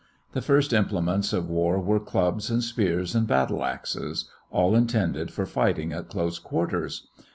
The first implements of war were clubs and spears and battle axes, all intended for fighting at close quarters.